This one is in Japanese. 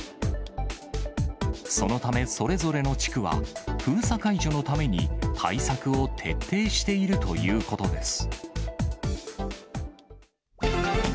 そのため、それぞれの地区は、封鎖解除のために、対策を徹底しているということです。